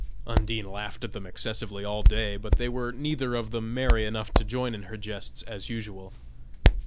Undine laughed at them excessively all day, but they were neither of them merry enough to join in her jests as usual.